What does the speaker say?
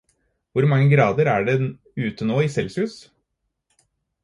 Hvor mange grader er det ute nå i Celcius?